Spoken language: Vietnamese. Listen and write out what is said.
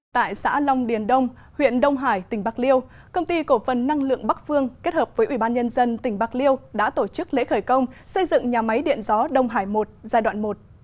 tại xã long điền đông huyện đông hải tỉnh bạc liêu công ty cổ phần năng lượng bắc phương kết hợp với ủy ban nhân dân tỉnh bạc liêu đã tổ chức lễ khởi công xây dựng nhà máy điện gió đông hải một giai đoạn một